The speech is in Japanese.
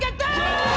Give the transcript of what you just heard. やった！